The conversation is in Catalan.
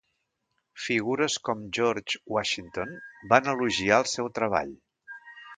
Figures com George Washington van elogiar el seu treball.